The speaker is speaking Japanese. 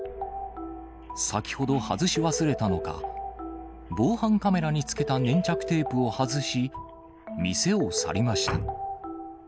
先ほど外し忘れたのか、防犯カメラにつけた粘着テープを外し、店を去りました。